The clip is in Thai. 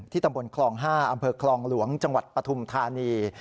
ตำบลคลอง๕อำเภอคลองหลวงจังหวัดปฐุมธานี